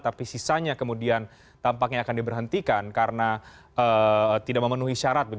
tapi sisanya kemudian tampaknya akan diberhentikan karena tidak memenuhi syarat